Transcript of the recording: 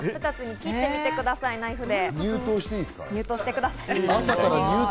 切ってみてください、ナイフで。